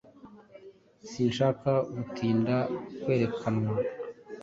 Sinshaka gutinda kwerekanwa.